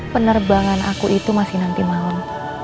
penerbangan aku itu masih nanti malam